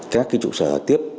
các trụ sở tiếp